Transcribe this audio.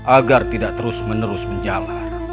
agar tidak terus menerus menjalar